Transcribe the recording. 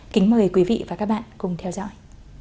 kính mời quý vị và các bạn cùng theo dõi